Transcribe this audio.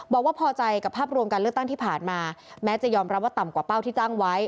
บอกว่าพอใจกับภาพรวมการเลือกตั้งที่ผ่านมาแม้จะยอมรับว่าต่ำกว่าเป้าที่ตั้งไว้